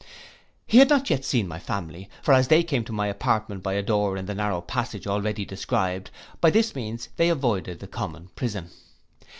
He had not yet seen my family, for as they came to my apartment by a door in the narrow passage, already described, by this means they avoided the common prison.